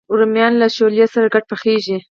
رومیان له شولو سره ګډ پخېږي